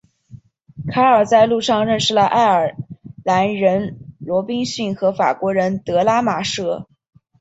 卡尔在路上认识了爱尔兰人罗宾逊和法国人德拉马什。